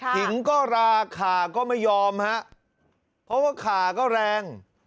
ถึงก็ราคาก็ไม่ยอมฮะเพราะว่าขาก็แรง